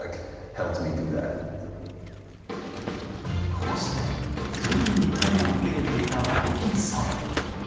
こうして徐々に日本を受け入れていったホーキンソン。